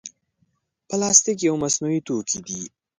پلاستيک یو مصنوعي توکي دی.